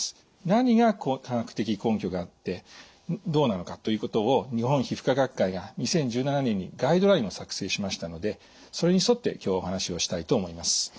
何が科学的根拠があってどうなのかということを日本皮膚科学会が２０１７年にガイドラインを作成しましたのでそれに沿って今日はお話をしたいと思います。